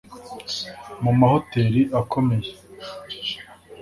mu mahoteli akomeye